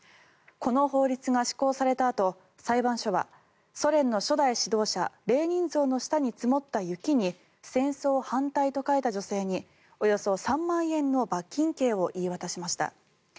この法律が施行されたあと裁判所はソ連の初代指導者レーニン像の下に積もった雪に戦争反対と書いた女性におよそ３万円の罰金刑を言い渡しました。